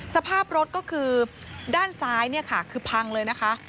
สภาพรถก็คือด้านซ้ายคือพังเลยนะคะ